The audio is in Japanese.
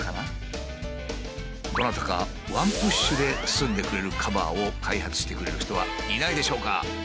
どなたかワンプッシュで包んでくれるカバーを開発してくれる人はいないでしょうか？